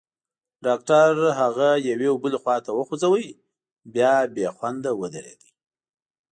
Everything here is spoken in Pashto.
ډاکټر هغه یوې او بلې خواته وخوځاوه، بیا بېخونده ودرېد.